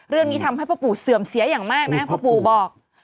เรื่องนี้ทำให้พ่อปู่เสื่อมเสียอย่างมากนะครับพ่อปู่บอก